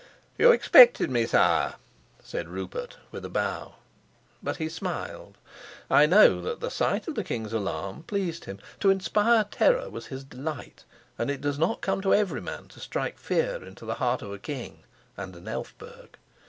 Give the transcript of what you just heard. "You expected me, sire?" said Rupert with a bow; but he smiled. I know that the sight of the king's alarm pleased him. To inspire terror was his delight, and it does not come to every man to strike fear into the heart of a king and an Elphberg.